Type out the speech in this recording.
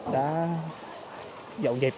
đã dọn dẹp